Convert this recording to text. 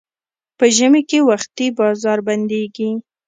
په ژمي کې وختي بازار بندېږي.